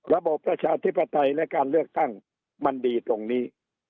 ประชาธิปไตยและการเลือกตั้งมันดีตรงนี้